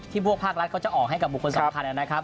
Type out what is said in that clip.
พวกภาครัฐเขาจะออกให้กับบุคคลสำคัญนะครับ